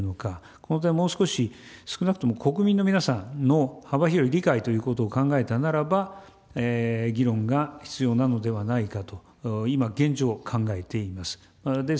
この点、もう少し、少なくとも国民の皆さんの幅広い理解ということを考えたならば、議論が必要なのではないかと、今現状、考えています。